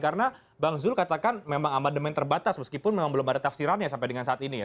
karena bang zul katakan memang amendement terbatas meskipun memang belum ada tafsirannya sampai dengan saat ini ya